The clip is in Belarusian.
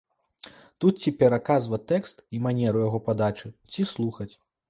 Тут ці пераказваць тэкст і манеру яго падачы, ці слухаць.